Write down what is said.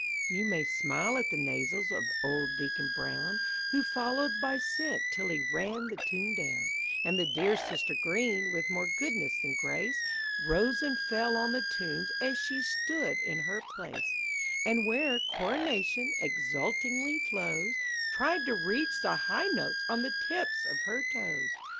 You may smile at the nasals of old Deacon Brown, Who followed by scent till he ran the tune down; And the dear sister Green, with more goodness than grace, Rose and fell on the tunes as she stood in her place, And where "Coronation" exultingly flows, Tried to reach the high notes on the tips of her toes!